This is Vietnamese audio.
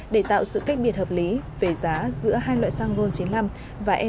để tạo sự kết biệt hợp lý về giá giữa hai loại xăng ron chín mươi năm và e năm